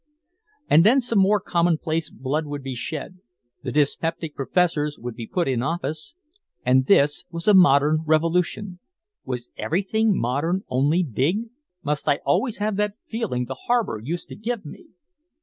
And then some more commonplace blood would be shed, the dyspeptic professors would be put in office and this was a modern revolution! Was everything modern only big? Must I always have that feeling the harbor used to give me?